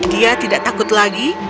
dia tidak takut lagi